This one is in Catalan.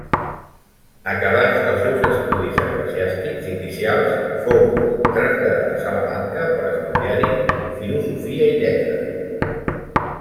Acabats els seus estudis eclesiàstics inicials, fou traslladat a Salamanca per estudiar-hi filosofia i lletres.